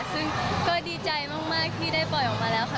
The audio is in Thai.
ซึ่งก็ดีใจมากที่ได้ปล่อยออกมาแล้วค่ะ